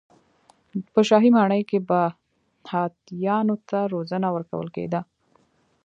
په شاهي ماڼۍ کې به هاتیانو ته روزنه ورکول کېده.